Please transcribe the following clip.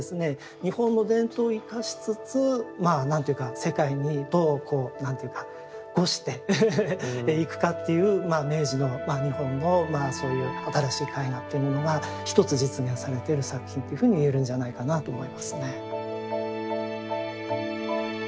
日本の伝統を生かしつつまあ何ていうか世界にどう何というか伍していくかっていう明治の日本のそういう新しい絵画というものが一つ実現されている作品というふうに言えるんじゃないかなと思いますね。